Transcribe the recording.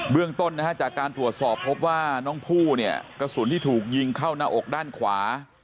เรื่องต้นนะฮะจากการตรวจสอบพบว่าน้องผู้เนี่ยกระสุนที่ถูกยิงเข้าหน้าอกด้านขวา